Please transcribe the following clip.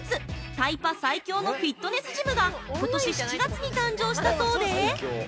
タイパ最強のフィットネスジムがことし７月に誕生したそうで◆